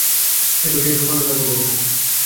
এই বয়সে এসেও কনডম লাগে ওর বাপের।